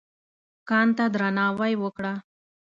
کان ته درناوی وکړه.